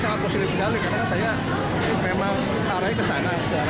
sangat positif sekali karena saya memang arahnya ke sana